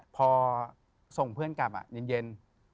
พอส่งเพื่อนกลับเย็น